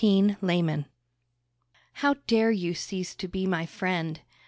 ACCUSATION How dare you cease to be my friend!